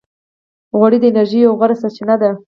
غوړې د انرژۍ یوه غوره سرچینه ده.